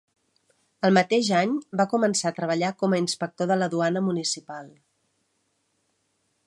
El mateix any va començar a treballar com a inspector de la duana municipal.